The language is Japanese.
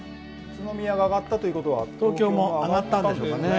宇都宮が上がったということは東京も上がったんでしょうか。